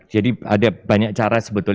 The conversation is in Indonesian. jadi ada banyak cara sebetulnya